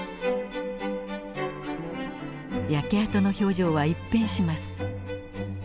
焼け跡の表情は一変します。